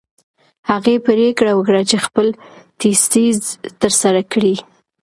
هغې پرېکړه وکړه چې خپل تیزیس ترسره کړي.